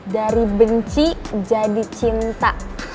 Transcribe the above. dari benci jadi cinta